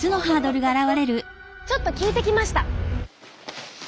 ちょっと聞いてきました！